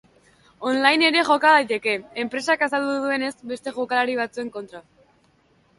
On-line ere joka daiteke, enpresak azaldu duenez, beste jokalari batzuen kontra.